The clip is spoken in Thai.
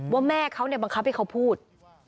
ว่าแม่เขาบังคับให้เขาพูด